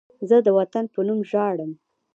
زه د وطن په نوم ژاړم